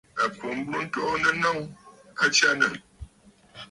À kwǒ mburə ntoonə nnɔŋ, a tsyânə̀!